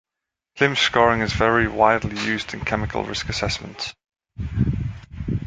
Klimisch scoring is very widely used in chemical risk assessments.